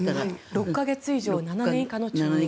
６か月以上７年以下の懲役。